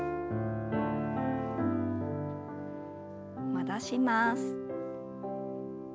戻します。